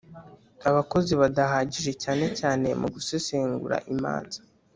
abakozi badahagije cyane cyane mu gusesengura imanza